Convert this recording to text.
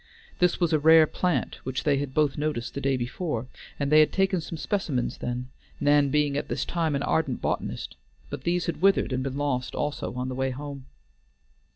This was a rare plant which they had both noticed the day before, and they had taken some specimens then, Nan being at this time an ardent botanist, but these had withered and been lost, also, on the way home.